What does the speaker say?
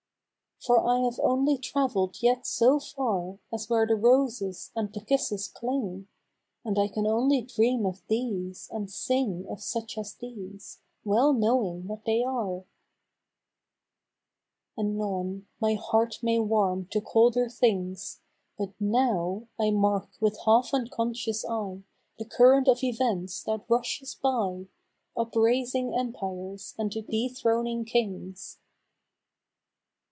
4 For I have only travelled yet so far As where the roses and the kisses cling, And I xan only dream of these, and sing Of such as these, well knowing what they are ! 5 Anon, my heart may warm to colder things, But now I mark with half unconscious eye The current of events that rushes by, Upraising Empires and dethroning Kings.